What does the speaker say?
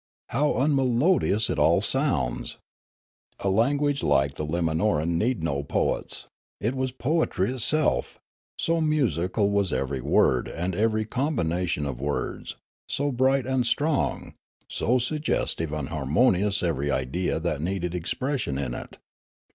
How unmelodious it all sounds ! A language like the Limanoran needed no poets ; it was poetry itself, so musical was every word and every combination of words, so bright and strong, so suggestive and har monious every idea that needed expression in it.